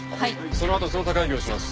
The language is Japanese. そのあと捜査会議をします。